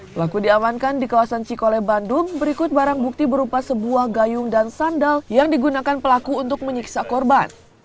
pelaku diamankan di kawasan cikole bandung berikut barang bukti berupa sebuah gayung dan sandal yang digunakan pelaku untuk menyiksa korban